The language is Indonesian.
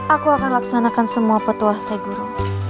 aku akan laksanakan semua petua saya guru